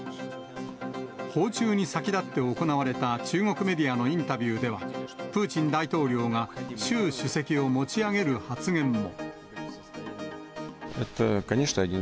訪中に先立って行われた中国メディアのインタビューでは、プーチン大統領が習主席を持ち上げる発言も。